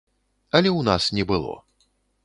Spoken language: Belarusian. Але ў нас не было.